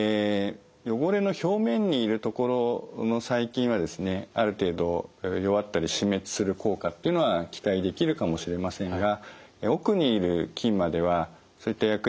汚れの表面にいるところの細菌はある程度弱ったり死滅する効果っていうのは期待できるかもしれませんが奥にいる菌まではそういった薬液は届かないんですね。